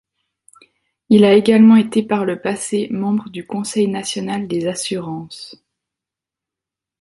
Il a également été par le passé membre du conseil national des assurances.